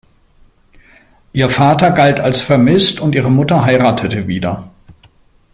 Ihr Vater galt als vermisst, und ihre Mutter heiratete wieder.